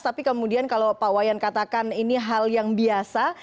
tapi kemudian kalau pak wayan katakan ini hal yang biasa